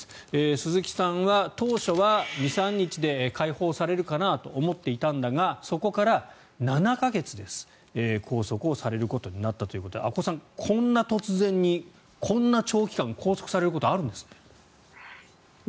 鈴木さんは当初は２３日で解放されるかなと思っていたんだがそこから７か月です拘束されることになったということで阿古さん、こんな突然にこんな長期間拘束されることあるんですね。